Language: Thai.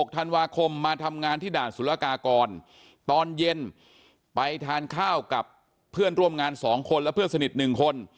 ธันวาคมมาทำงานที่ด่านสุรกากรตอนเย็นไปทานข้าวกับเพื่อนร่วมงาน๒คนและเพื่อนสนิท๑คน